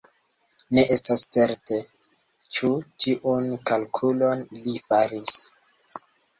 Ne estas certe, ĉu tiun kalkulon li faris.